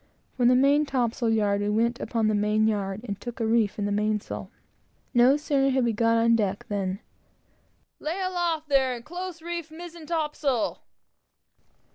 From the main topsail yard, we went upon the main yard, and took a reef in the mainsail. No sooner had we got on deck, than "Lay aloft there, mizen top men, and close reef the mizen topsail!"